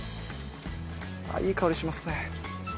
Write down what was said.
あっいい香りしますね。